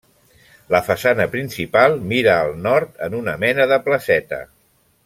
La façana principal mira al nord, en una mena de placeta.